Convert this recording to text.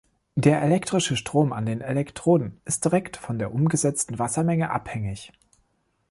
Der elektrische Strom an den Elektroden ist direkt von der umgesetzten Wassermenge abhängig.